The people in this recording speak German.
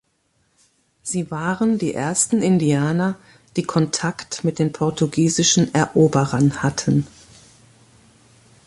Sie waren die ersten „Indianer“, die Kontakt mit den portugiesischen Eroberern hatten.